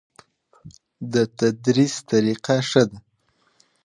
د تدریس طریقه ښه ده؟